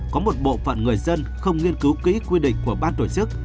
có một bộ phận người dân không nghiên cứu kỹ quy định của ban tổ chức